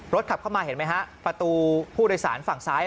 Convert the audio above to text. ขับเข้ามาเห็นไหมฮะประตูผู้โดยสารฝั่งซ้าย